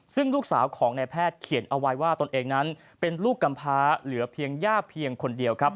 ซึ่งลูกสาวของนายแพทย์เขียนเอาไว้ว่าตนเองนั้นเป็นลูกกำพาเหลือเพียงย่าเพียงคนเดียวครับ